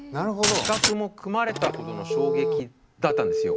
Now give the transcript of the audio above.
企画も組まれたほどの衝撃だったんですよ。